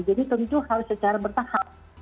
jadi tentu harus secara bertahap